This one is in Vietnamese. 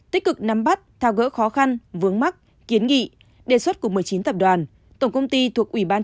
tích cực nắm bắt tháo gỡ khó khăn vướng mắt kiến nghị đề xuất của một mươi chín tập đoàn tổng công ty thuộc uban